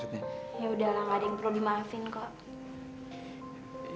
yaudah lah gak ada yang perlu dimaafin kok